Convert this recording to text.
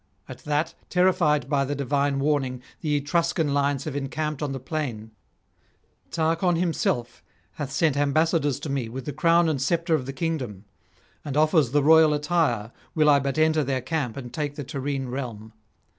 At that, terrified by the divine warning, the Etruscan lines have encamped on the plain; Tarchon himself hath sent ambassadors to me with the crown [506 539]and sceptre of the kingdom, and offers the royal attire will I but enter their camp and take the Tyrrhene realm.